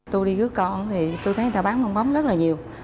tôi đi cướp con thì tôi thấy người ta bán bong bóng rất là nhiều